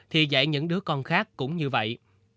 thì dạy những đứa con khác cũng như vậy